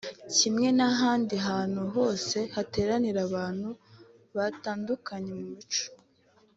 Kimwe n’ahandi hantu hose hateraniye abantu batandukanye mu mico